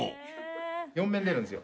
４面出るんですよ。